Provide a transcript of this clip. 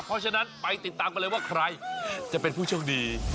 เพราะฉะนั้นไปติดตามกันเลยว่าใครจะเป็นผู้โชคดี